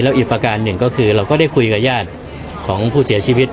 อีกประการหนึ่งก็คือเราก็ได้คุยกับญาติของผู้เสียชีวิต